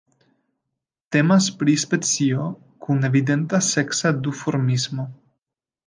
Temas pri specio kun evidenta seksa duformismo.